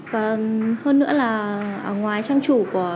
và hơn nữa là ở ngoài trang chủ của